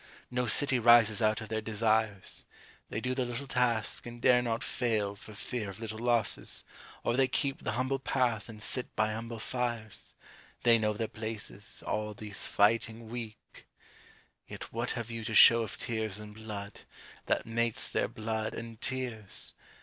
No city rises out of their desires ; They do the little task, and dare not fail For fear of little losses — or they keep The humble path and sit by humble fires; They know their places — all these fighting Weak! Yet what have you to show of tears and blood, That mates their blood and tears?